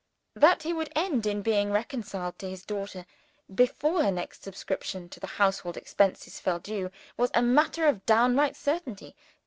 That he would end in being reconciled to his daughter before her next subscription to the household expenses fell due was a matter of downright certainty.